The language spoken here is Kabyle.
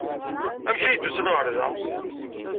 Amek ay d-usan ɣer da?